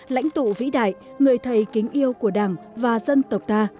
lãnh tụ vĩ đại người thầy kính yêu của đảng và dân tộc ta